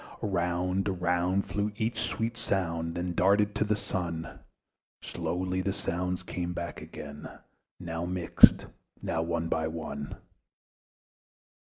Around, around, flew each sweet sound, Then darted to the Sun; Slowly the sounds came back again, Now mixed, now one by one.